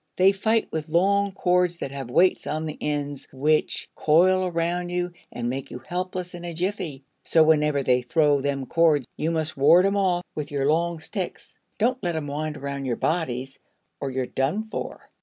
They fight with long cords that have weights on the ends, which coil 'round you an' make you helpless in a jiffy; so whenever they throw them cords you mus' ward 'em off with your long sticks. Don't let 'em wind around your bodies, or you're done for."